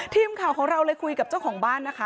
ทีมข่าวของเราเลยคุยกับเจ้าของบ้านนะคะ